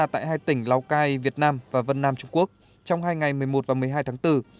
tại hai tỉnh lào cai việt nam và vân nam trung quốc trong hai ngày một mươi một và một mươi hai tháng bốn